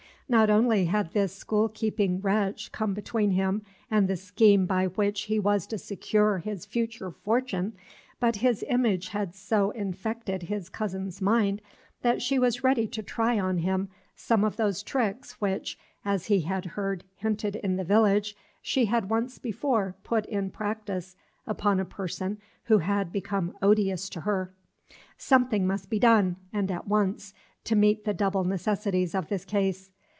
Not only had this school keeping wretch come between him and the scheme by which he was to secure his future fortune, but his image had so infected his cousin's mind that she was ready to try on him some of those tricks which, as he had heard hinted in the village, she had once before put in practice upon a person who had become odious to her. Something must be done, and at once, to meet the double necessities of this case.